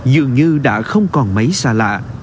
dường như đã không còn mấy xa lạ